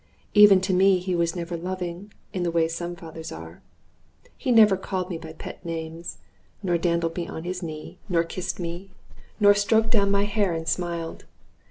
Even to me he was never loving, in the way some fathers are. He never called me by pet names, nor dandled me on his knee, nor kissed me, nor stroked down my hair and smiled.